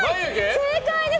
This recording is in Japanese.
正解です！